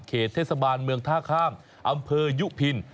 เขตเทศบาลเมืองท่าข้ามอำเภอยุพิน